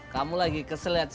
kamu lagi kesel ya coy